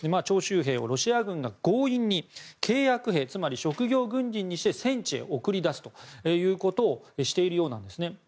徴集兵をロシア軍が強引に契約兵つまり職業軍人にして戦地へ送り出すということをしているようなんですね。